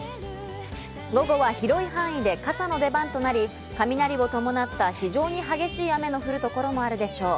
午後は広い範囲で傘の出番となり、雷を伴った非常に激しい雨の降る所もあるでしょう。